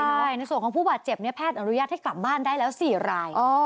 ใช่ในส่วนของผู้บาดเจ็บเนี่ยแพทย์อนุญาตให้กลับบ้านได้แล้ว๔ราย